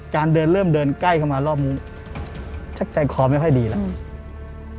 การเดินเริ่มเดินใกล้เข้ามารอบนึงชักใจคอไม่ค่อยดีแล้ว